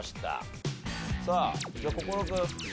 さあじゃあ心君。